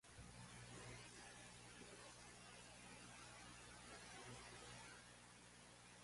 На кого му овозможуваме да се нарече човек?